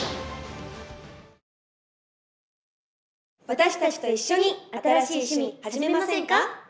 私たちと一緒に新しい趣味はじめませんか？